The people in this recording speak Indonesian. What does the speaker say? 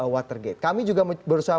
watergate kami juga berusaha